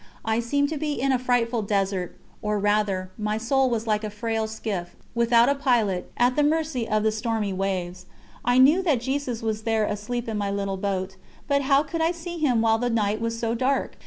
I seemed to be in a frightful desert, or rather, my soul was like a frail skiff, without a pilot, at the mercy of the stormy waves. I knew that Jesus was there asleep in my little boat, but how could I see Him while the night was so dark?